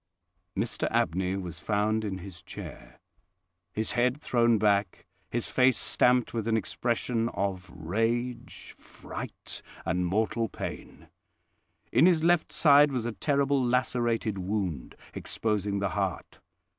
Mr Abney was found in his chair, his head thrown back, his face stamped with an expression of rage, fright, and mortal pain. In his left side was a terrible lacerated wound, exposing the heart.